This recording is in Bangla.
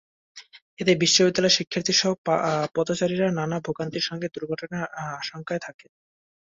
এতে বিদ্যালয়ের শিক্ষার্থীসহ পথচারীরা নানা ভোগান্তির সঙ্গে সঙ্গে দুর্ঘটনার আশঙ্কায়ও থাকে।